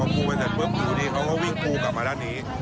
กู้ไปเติบเขาก็วิ่งกู้กลับมาด้านนี้